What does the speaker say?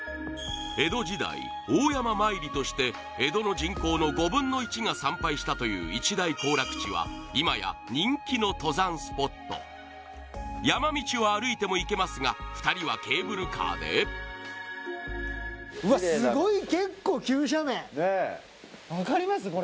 江戸時代大山詣りとして江戸の人口の５分の１が参拝したという一大行楽地は今や人気の登山スポット山道は歩いても行けますが２人はケーブルカーでわっすごい分かります？